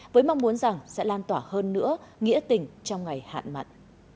với mong muốn rằng sẽ lan tỏa hơn nữa nghĩa tình trong ngày hạn mặn